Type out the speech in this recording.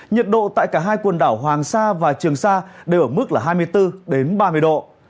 nhiệt độ tại cả hai quần đảo hoàng sa và trường sa đều ở mức là hai mươi bốn ba mươi độ